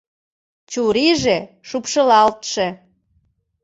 Чурийже шупшылалтше.